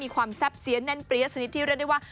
ความแซ่บเสียนแน่นเปรี้ยชนิดที่เรียกได้ว่า